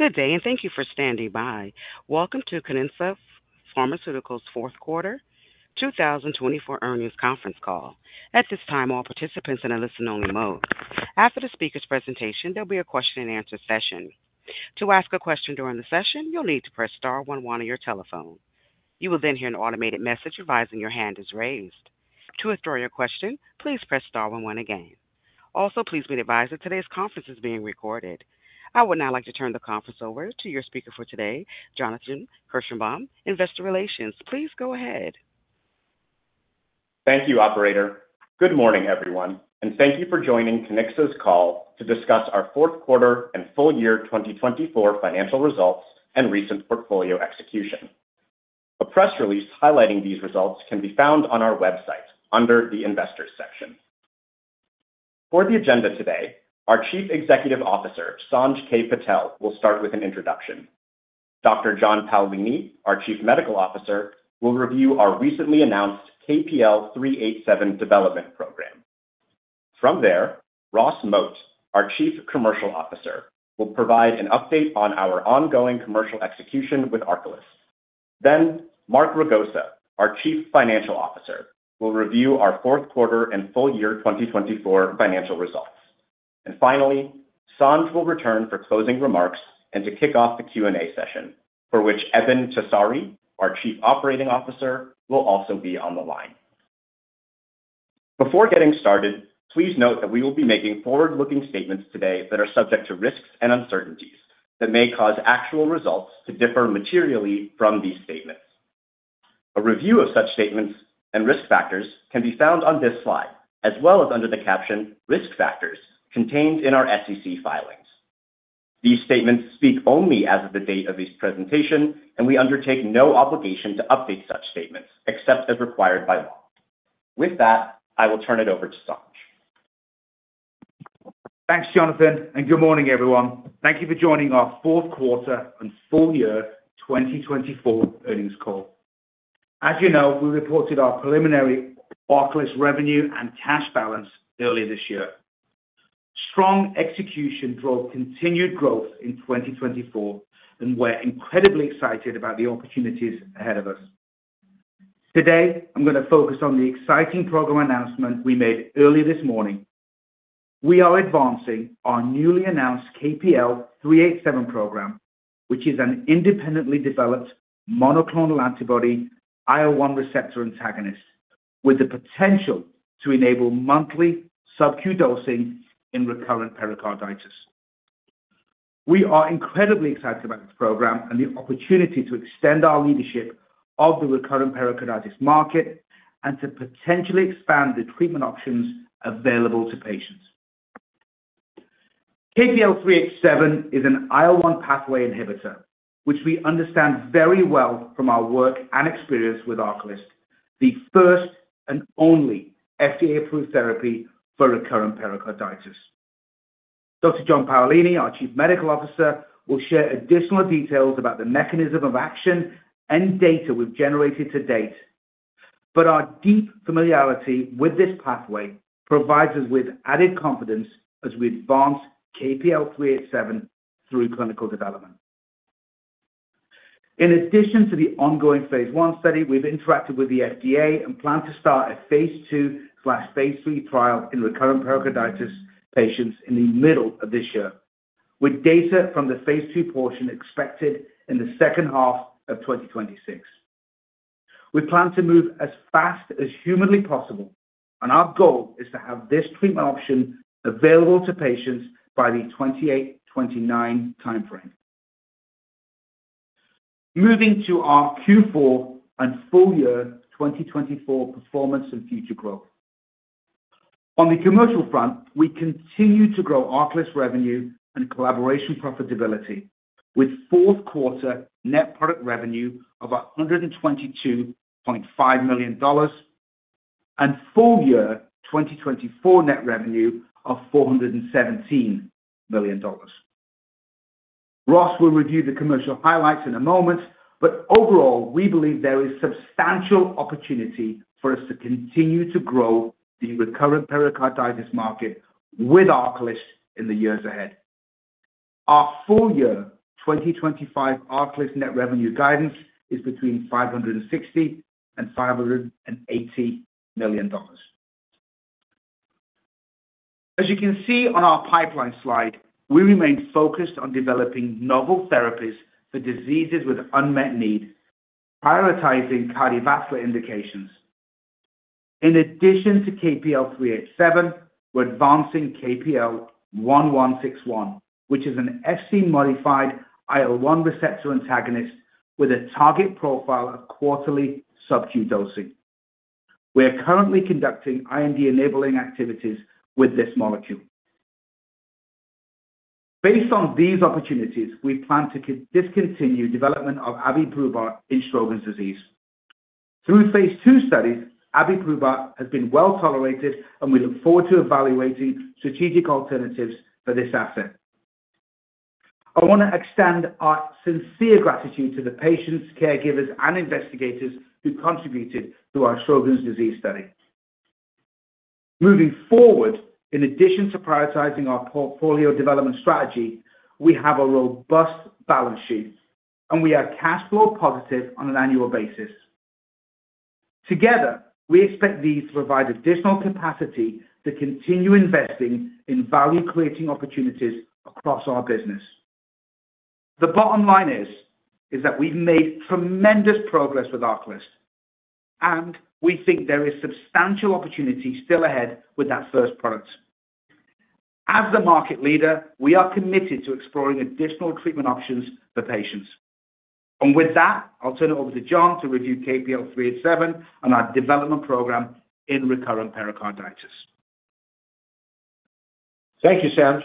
Good day, and thank you for standing by. Welcome to Kiniksa Pharmaceuticals' Fourth Quarter 2024 Earnings Conference Call. At this time, all participants are in a listen-only mode. After the speaker's presentation, there'll be a Q&A session. To ask a question during the session, you'll need to press star one one on your telephone. You will then hear an automated message advising your hand is raised. To withdraw your question, please press star one one again. Also, please be advised that today's conference is being recorded. I would now like to turn the conference over to your speaker for today, Jonathan Kirshenbaum, Investor Relations. Please go ahead. Thank you, Operator. Good morning, everyone, and thank you for joining Kiniksa's call to discuss our Fourth Quarter and Full Year 2024 Financial Results and recent portfolio execution. A press release highlighting these results can be found on our website under the Investors section. For the agenda today, our Chief Executive Officer, Sanj K. Patel, will start with an introduction. Dr. John Paolini, our Chief Medical Officer, will review our recently announced KPL-387 development program. From there, Ross Moat, our Chief Commercial Officer, will provide an update on our ongoing commercial execution with ARCALYST. Then, Mark Ragosa, our Chief Financial Officer, will review our fourth quarter and full year 2024 financial results, and finally, Sanj will return for closing remarks and to kick off the Q&A session, for which Eben Tessari, our Chief Operating Officer, will also be on the line. Before getting started, please note that we will be making forward-looking statements today that are subject to risks and uncertainties that may cause actual results to differ materially from these statements. A review of such statements and risk factors can be found on this slide, as well as under the caption "Risk Factors," contained in our SEC filings. These statements speak only as of the date of this presentation, and we undertake no obligation to update such statements except as required by law. With that, I will turn it over to Sanj. Thanks, Jonathan, and good morning, everyone. Thank you for joining our Fourth Quarter and Full Year 2024 Earnings Call. As you know, we reported our preliminary ARCALYST revenue and cash balance earlier this year. Strong execution drove continued growth in 2024, and we're incredibly excited about the opportunities ahead of us. Today, I'm going to focus on the exciting program announcement we made earlier this morning. We are advancing our newly announced KPL-387 program, which is an independently developed monoclonal antibody IL-1 receptor antagonist with the potential to enable monthly sub-Q dosing in recurrent pericarditis. We are incredibly excited about this program and the opportunity to extend our leadership of the recurrent pericarditis market and to potentially expand the treatment options available to patients. KPL-387 is an IL-1 pathway inhibitor, which we understand very well from our work and experience with ARCALYST, the first and only FDA-approved therapy for recurrent pericarditis. Dr. John Paolini, our Chief Medical Officer, will share additional details about the mechanism of action and data we've generated to date, but our deep familiarity with this pathway provides us with added confidence as we advance KPL-387 through clinical development. In addition to the ongoing Phase 1 study, we've interacted with the FDA and plan to start a Phase 2/3 trial in recurrent pericarditis patients in the middle of this year, with data from the Phase 2 portion expected in the second half of 2026. We plan to move as fast as humanly possible, and our goal is to have this treatment option available to patients by the 2028-2029 timeframe. Moving to our Q4 and full year 2024 performance and future growth. On the commercial front, we continue to grow ARCALYST revenue and collaboration profitability, with fourth quarter net product revenue of $122.5 million and full year 2024 net revenue of $417 million. Ross, we'll review the commercial highlights in a moment, but overall, we believe there is substantial opportunity for us to continue to grow the recurrent pericarditis market with ARCALYST in the years ahead. Our full year 2025 ARCALYST net revenue guidance is between $560-$580 million. As you can see on our pipeline slide, we remain focused on developing novel therapies for diseases with unmet need, prioritizing cardiovascular indications. In addition to KPL-387, we're advancing KPL-1161, which is an Fc-modified IL-1 receptor antagonist with a target profile of quarterly sub-Q dosing. We are currently conducting IND-enabling activities with this molecule. Based on these opportunities, we plan to discontinue development of abiprubart in Sjogren's disease. Through Phase 2 studies, abiprubart has been well tolerated, and we look forward to evaluating strategic alternatives for this asset. I want to extend our sincere gratitude to the patients, caregivers, and investigators who contributed to our Sjogren's disease study. Moving forward, in addition to prioritizing our portfolio development strategy, we have a robust balance sheet, and we are cash flow positive on an annual basis. Together, we expect these to provide additional capacity to continue investing in value-creating opportunities across our business. The bottom line is that we've made tremendous progress with ARCALYST, and we think there is substantial opportunity still ahead with that first product. As the market leader, we are committed to exploring additional treatment options for patients. And with that, I'll turn it over to John to review KPL-387 and our development program in recurrent pericarditis. Thank you, Sanj.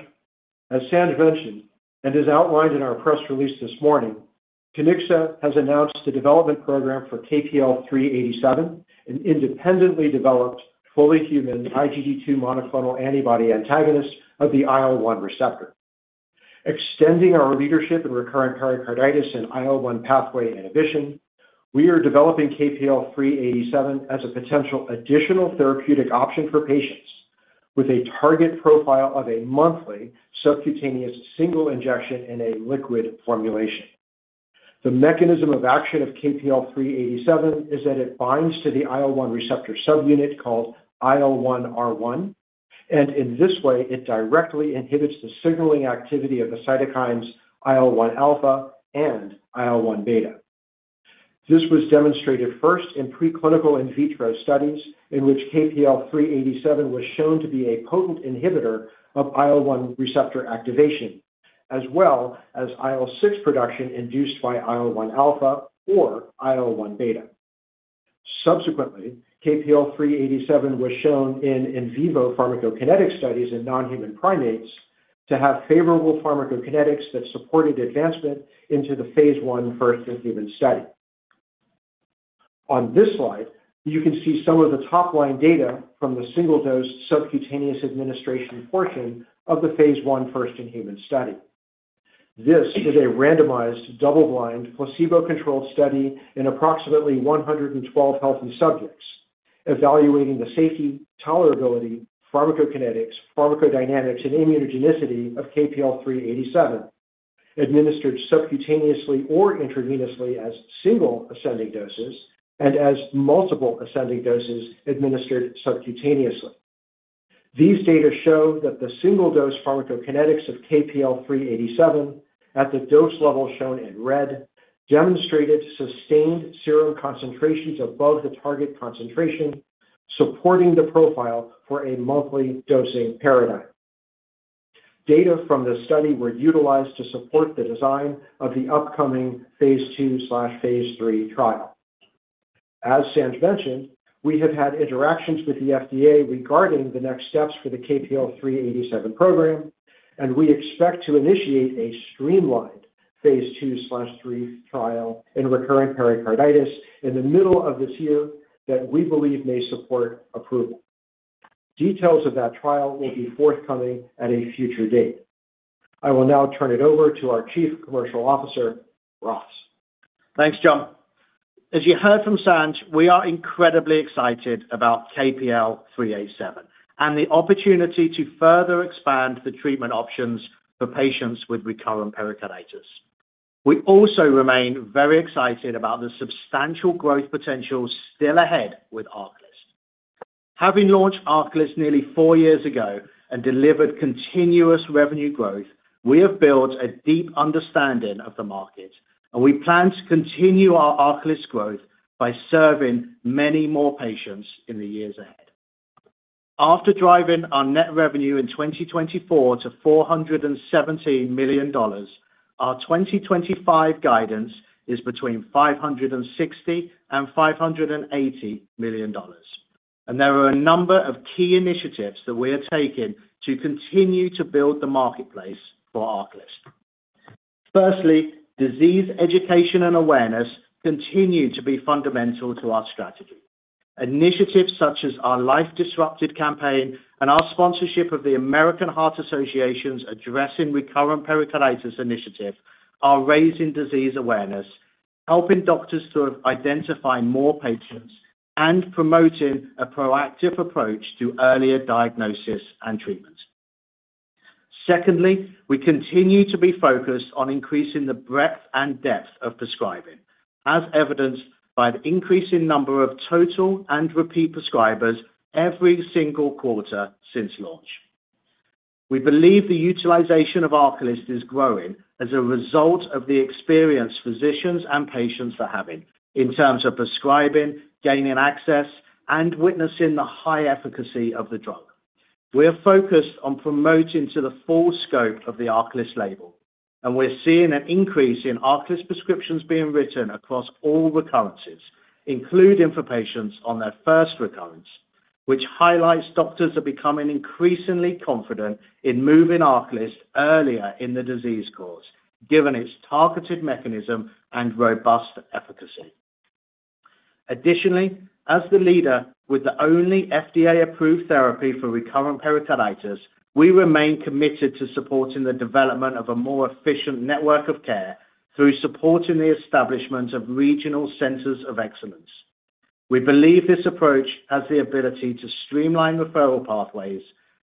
As Sanj mentioned and as outlined in our press release this morning, Kiniksa has announced the development program for KPL-387, an independently developed, fully human IgG2 monoclonal antibody antagonist of the IL-1 receptor. Extending our leadership in recurrent pericarditis and IL-1 pathway inhibition, we are developing KPL-387 as a potential additional therapeutic option for patients with a target profile of a monthly subcutaneous single injection in a liquid formulation. The mechanism of action of KPL-387 is that it binds to the IL-1 receptor subunit called IL-1R1, and in this way, it directly inhibits the signaling activity of the cytokines IL-1 alpha and IL-1 beta. This was demonstrated first in preclinical in vitro studies in which KPL-387 was shown to be a potent inhibitor of IL-1 receptor activation, as well as IL-6 production induced by IL-1 alpha or IL-1 beta. Subsequently, KPL-387 was shown in in vivo pharmacokinetic studies in non-human primates to have favorable pharmacokinetics that supported advancement into the Phase 1 first in human study. On this slide, you can see some of the top line data from the single-dose subcutaneous administration portion of the Phase 1 first in human study. This is a randomized double-blind placebo-controlled study in approximately 112 healthy subjects evaluating the safety, tolerability, pharmacokinetics, pharmacodynamics, and immunogenicity of KPL-387 administered subcutaneously or intravenously as single ascending doses and as multiple ascending doses administered subcutaneously. These data show that the single-dose pharmacokinetics of KPL-387 at the dose level shown in red demonstrated sustained serum concentrations above the target concentration, supporting the profile for a monthly dosing paradigm. Data from the study were utilized to support the design of the upcoming Phase 2/3 trial. As Sanj mentioned, we have had interactions with the FDA regarding the next steps for the KPL-387 program, and we expect to initiate a streamlined Phase 2/3 trial in recurrent pericarditis in the middle of this year that we believe may support approval. Details of that trial will be forthcoming at a future date. I will now turn it over to our Chief Commercial Officer, Ross. Thanks, John. As you heard from Sanj, we are incredibly excited about KPL-387 and the opportunity to further expand the treatment options for patients with recurrent pericarditis. We also remain very excited about the substantial growth potential still ahead with ARCALYST. Having launched ARCALYST nearly four years ago and delivered continuous revenue growth, we have built a deep understanding of the market, and we plan to continue our ARCALYST growth by serving many more patients in the years ahead. After driving our net revenue in 2024 to $417 million, our 2025 guidance is between $560-$580 million, and there are a number of key initiatives that we are taking to continue to build the marketplace for ARCALYST. Firstly, disease education and awareness continue to be fundamental to our strategy. Initiatives such as our Life Disrupted campaign and our sponsorship of the American Heart Association's Addressing Recurrent Pericarditis Initiative are raising disease awareness, helping doctors to identify more patients, and promoting a proactive approach to earlier diagnosis and treatment. Secondly, we continue to be focused on increasing the breadth and depth of prescribing, as evidenced by the increasing number of total and repeat prescribers every single quarter since launch. We believe the utilization of ARCALYST is growing as a result of the experience physicians and patients are having in terms of prescribing, gaining access, and witnessing the high efficacy of the drug. We are focused on promoting to the full scope of the ARCALYST label, and we're seeing an increase in ARCALYST prescriptions being written across all recurrences, including for patients on their first recurrence, which highlights doctors are becoming increasingly confident in moving ARCALYST earlier in the disease course, given its targeted mechanism and robust efficacy. Additionally, as the leader with the only FDA-approved therapy for recurrent pericarditis, we remain committed to supporting the development of a more efficient network of care through supporting the establishment of regional centers of excellence. We believe this approach has the ability to streamline referral pathways,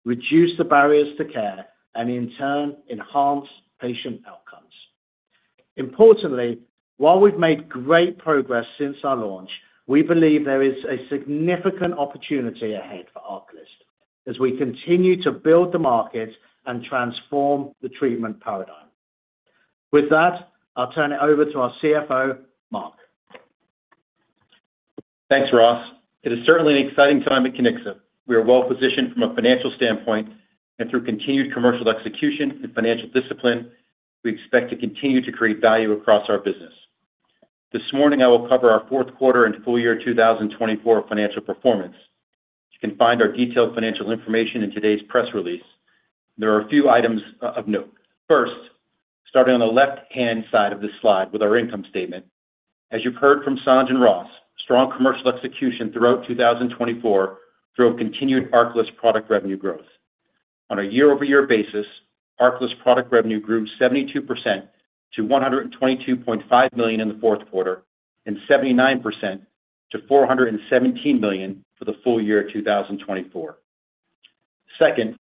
reduce the barriers to care, and in turn, enhance patient outcomes. Importantly, while we've made great progress since our launch, we believe there is a significant opportunity ahead for ARCALYST as we continue to build the market and transform the treatment paradigm. With that, I'll turn it over to our CFO, Mark. Thanks, Ross. It is certainly an exciting time at Kiniksa. We are well positioned from a financial standpoint, and through continued commercial execution and financial discipline, we expect to continue to create value across our business. This morning, I will cover our Fourth Quarter and Full Year 2024 Financial Performance. You can find our detailed financial information in today's press release. There are a few items of note. First, starting on the left-hand side of this slide with our income statement, as you've heard from Sanj and Ross, strong commercial execution throughout 2024 drove continued ARCALYST product revenue growth. On a year-over-year basis, ARCALYST product revenue grew 72% to $122.5 million in the fourth quarter and 79% to $417 million for the full year 2024. Second,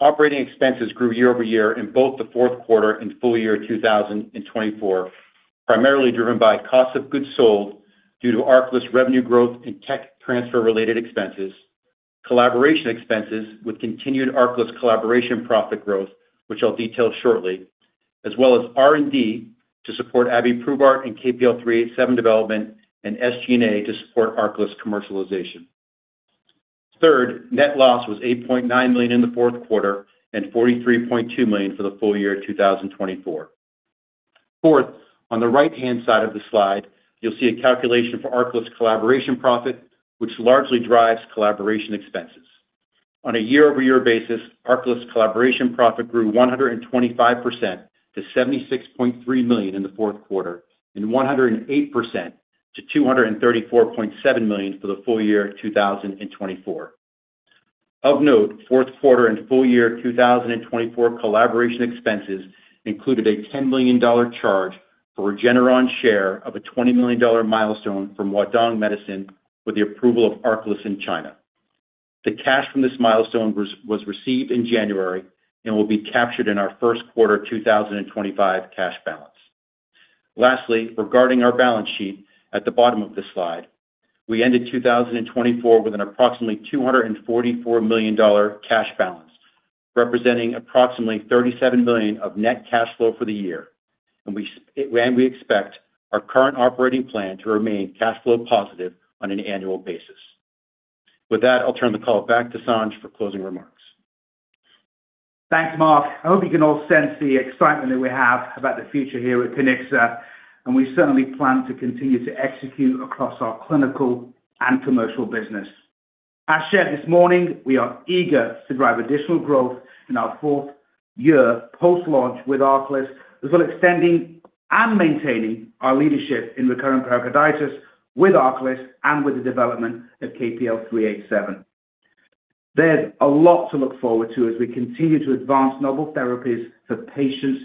operating expenses grew year-over-year in both the fourth quarter and full year 2024, primarily driven by cost of goods sold due to ARCALYST revenue growth and tech transfer-related expenses, collaboration expenses with continued ARCALYST collaboration profit growth, which I'll detail shortly, as well as R&D to support abiprubart and KPL-387 development and SG&A to support ARCALYST commercialization. Third, net loss was $8.9 million in the fourth quarter and $43.2 million for the full year 2024. Fourth, on the right-hand side of the slide, you'll see a calculation for ARCALYST collaboration profit, which largely drives collaboration expenses. On a year-over-year basis, ARCALYST collaboration profit grew 125% to $76.3 million in the fourth quarter and 108% to $234.7 million for the full year 2024. Of note, fourth quarter and full year 2024 collaboration expenses included a $10 million charge for Regeneron's share of a $20 million milestone from Huadong Medicine with the approval of ARCALYST in China. The cash from this milestone was received in January and will be captured in our first quarter 2025 cash balance. Lastly, regarding our balance sheet at the bottom of this slide, we ended 2024 with an approximately $244 million cash balance, representing approximately $37 million of net cash flow for the year, and we expect our current operating plan to remain cash flow positive on an annual basis. With that, I'll turn the call back to Sanj for closing remarks. Thanks, Mark. I hope you can all sense the excitement that we have about the future here at Kiniksa, and we certainly plan to continue to execute across our clinical and commercial business. As shared this morning, we are eager to drive additional growth in our fourth year post-launch with ARCALYST, as well as extending and maintaining our leadership in recurrent pericarditis with ARCALYST and with the development of KPL-387. There's a lot to look forward to as we continue to advance novel therapies for patients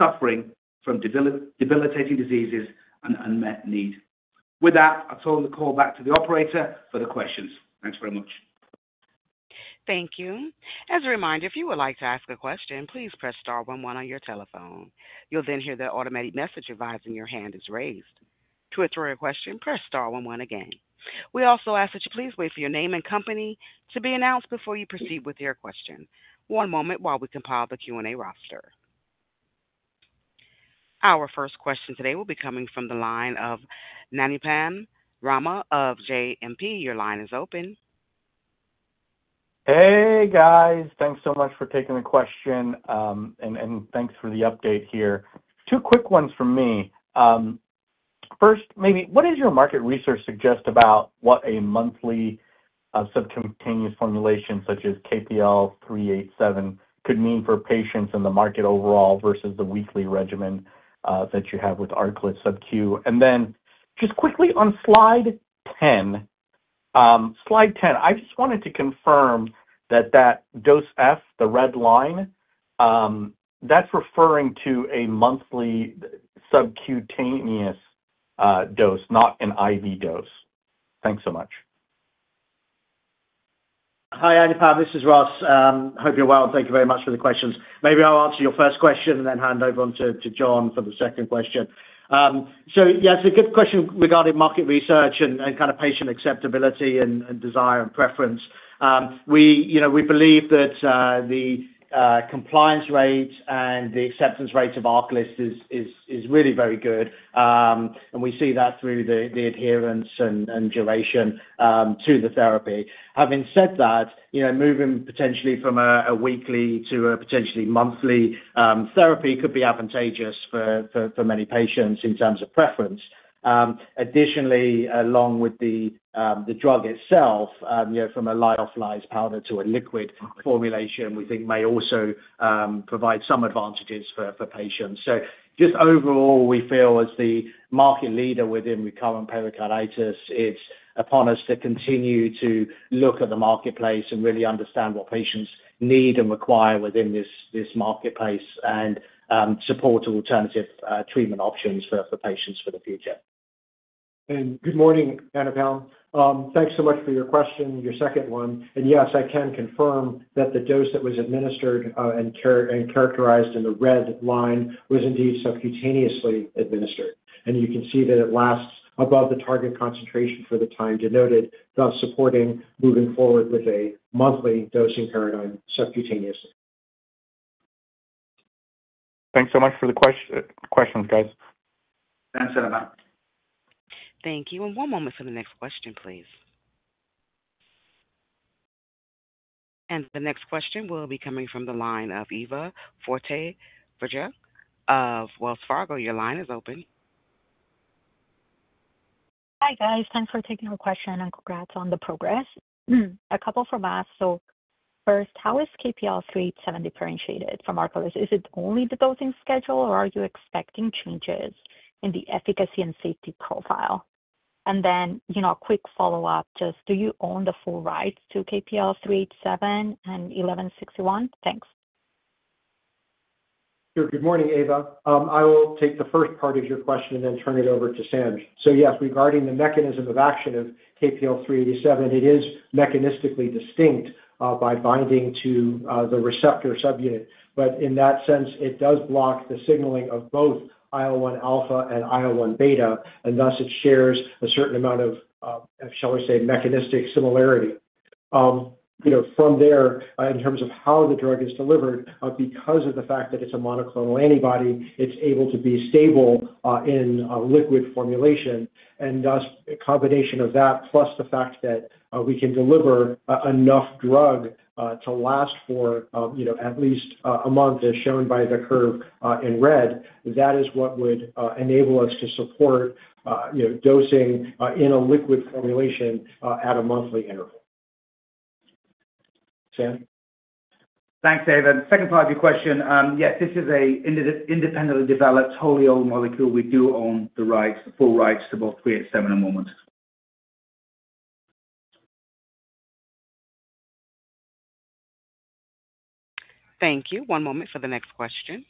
suffering from debilitating diseases and unmet need. With that, I'll turn the call back to the operator for the questions. Thanks very much. Thank you. As a reminder, if you would like to ask a question, please press star one one on your telephone. You'll then hear the automated message advise you that your hand is raised. To withdraw your question, press star one one again. We also ask that you please wait for your name and company to be announced before you proceed with your question. One moment while we compile the Q&A roster. Our first question today will be coming from the line of Anupam Rama of JP Morgan. Your line is open. Hey, guys. Thanks so much for taking the question, and thanks for the update here. Two quick ones for me. First, maybe what does your market research suggest about what a monthly subcutaneous formulation such as KPL-387 could mean for patients in the market overall versus the weekly regimen that you have with ARCALYST SubQ? And then just quickly on Slide 10. Slide 10, I just wanted to confirm that that dose F, the red line, that's referring to a monthly subcutaneous dose, not an IV dose. Thanks so much. Hi, Anupam. This is Ross. Hope you're well. Thank you very much for the questions. Maybe I'll answer your first question and then hand over to John for the second question. So yes, a good question regarding market research and kind of patient acceptability and desire and preference. We believe that the compliance rate and the acceptance rate of ARCALYST is is really very good, and we see that through the adherence and duration to the therapy. Having said that, moving potentially from a weekly to a potentially monthly therapy could be advantageous for many patients in terms of preference. Additionally, along with the drug itself, from a lyophilized powder to a liquid formulation, we think may also provide some advantages for patients. So just overall, we feel as the market leader within recurrent pericarditis, it's upon us to continue to look at the marketplace and really understand what patients need and require within this marketplace and support alternative treatment options for patients for the future. And good morning, Anupam. Thanks so much for your question, your second one. And yes, I can confirm that the dose that was administered and characterized in the red line was indeed subcutaneously administered. And you can see that it lasts above the target concentration for the time denoted, thus supporting moving forward with a monthly dosing paradigm subcutaneously. Thanks so much for the questions, guys. Thanks, Anupam. Thank you. And one moment for the next question, please. And the next question will be coming from the line of Eva Fortea-Verdejo of Wells Fargo. Your line is open. Hi, guys. Thanks for taking our question and congrats on the progress. A couple from us. So first, how is KPL-387 differentiated from ARCALYST? Is it only the dosing schedule, or are you expecting changes in the efficacy and safety profile? And then, you know, a quick follow-up, just do you own the full rights to KPL-387 and KPL-1161? Thanks. Good morning, Eva. I will take the first part of your question and then turn it over to Sanj. So yes, regarding the mechanism of action of KPL-387, it is mechanistically distinct by binding to the receptor subunit. But in that sense, it does block the signaling of both IL-1 alpha and IL-1 beta, and thus it shares a certain amount of, shall we say, mechanistic similarity. From there, in terms of how the drug is delivered, because of the fact that it is a monoclonal antibody, it is able to be stable in liquid formulation. And thus, a combination of that, plus the fact that we can deliver enough drug to last for, you know, at least a month, as shown by the curve in red, and that is what enables us to support dosing in a liquid formulation at a monthly interval. Thanks, Eva. Second part of your question, yes, this is an independently developed wholly owned molecule. We do own the full rights to both 387 and 1161. Thank you. One moment for the next question.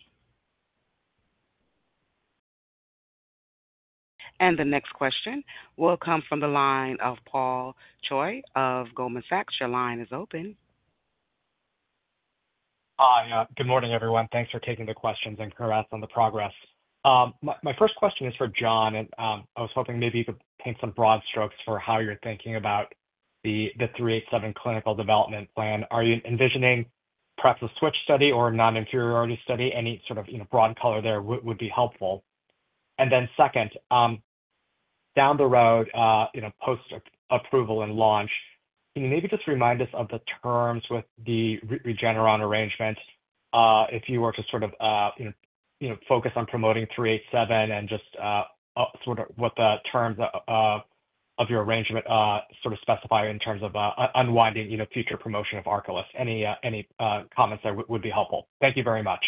The next question will come from the line of Paul Choi of Goldman Sachs. Your line is open. Hi. Good morning, everyone. Thanks for taking the questions and congrats on the progress. My first question is for John, and I was hoping maybe you could paint some broad strokes for how you're thinking about the 387 clinical development plan. Are you envisioning perhaps a switch study or a non-inferiority study? Any sort of broad color there would be helpful. And then second, down the road, in post-approval and launch, can you maybe just remind us of the terms with the Regeneron arrangement if you were to sort of focus on promoting 387 and just sort of what the terms of your arrangement sort of specify in terms of unwinding future promotion of ARCALYST? Any any comments that would be helpful? Thank you very much.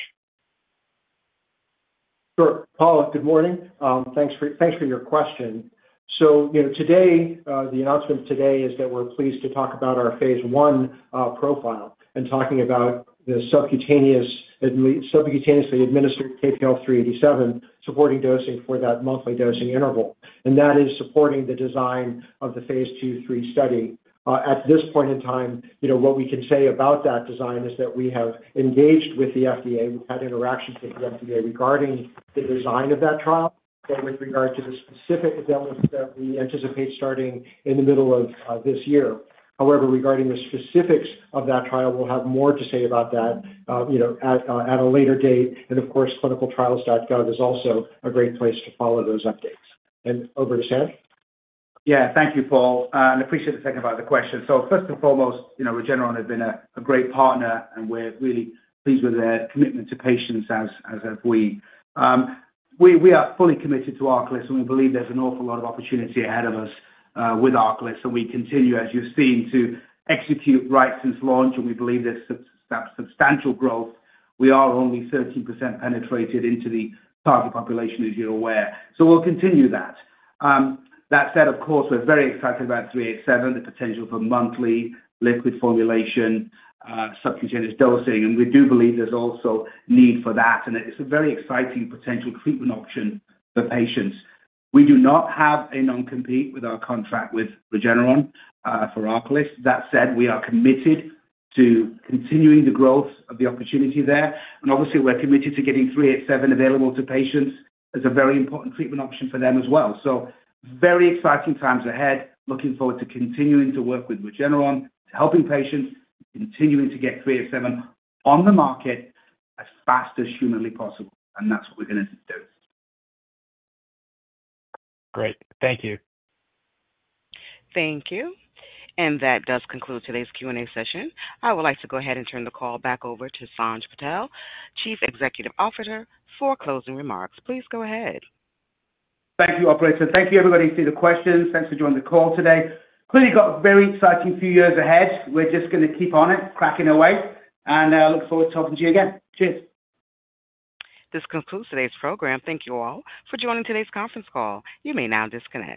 Sure. Paul, good morning. Thanks for your question. So today, the announcement today is that we're pleased to talk about our Phase 1 profile and talking about the subcutaneously administered KPL-387 supporting dosing for that monthly dosing interval. And that is supporting the design of the Phase 2/3 study. At this point in time, what we can say about that design is that we have engaged with the FDA. We've had interactions with the FDA regarding the design of that trial with regard to the specifics that we anticipate starting in the middle of this year. However, regarding the specifics of that trial, we'll have more to say about that at a later date. And of course, ClinicalTrials.gov is also a great place to follow those updates. And over to Sanj. Yeah. Thank you, Paul, and I appreciate the second part of the question, so first and foremost, Regeneron has been a great partner, and we're really pleased with their commitment to patients as have we. We we are fully committed to ARCALYST, and we believe there's an awful lot of opportunity ahead of us with ARCALYST, and we continue, as you've seen, to execute well since launch, and we believe there's substantial growth. We are only 13% penetrated into the target population, as you're aware, so we'll continue that. That said, of course, we're very excited about 387, the potential for monthly liquid formulation subcutaneous dosing, and we do believe there's also need for that, and it's a very exciting potential treatment option for patients. We do not have a non-compete with our contract with Regeneron for ARCALYST. That said, we are committed to continuing the growth of the opportunity there. And obviously, we're committed to getting 387 available to patients as a very important treatment option for them as well. So very exciting times ahead. Looking forward to continuing to work with Regeneron, helping patients, continuing to get 387 on the market as fast as humanly possible. And that's what we're going to do. Great. Thank you. Thank you. And that does conclude today's Q&A session. I would like to go ahead and turn the call back over to Sanj Patel, Chief Executive Officer, for closing remarks. Please go ahead. Thank you, Operator. Thank you, everybody, for your questions. Thanks for joining the call today. Clearly, got a very exciting few years ahead. We're just going to keep on it, cracking away. And I look forward to talking to you again. Cheers. This concludes today's program. Thank you all for joining today's conference call. You may now disconnect.